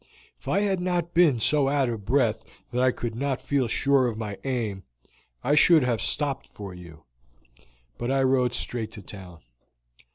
If I had not been so out of breath that I could not feel sure of my aim I should have stopped for you, but I rode straight to town."